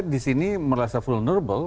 di sini merasa vulnerable